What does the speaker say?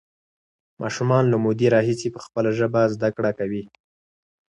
ماشومان له مودې راهیسې په خپله ژبه زده کړه کوي.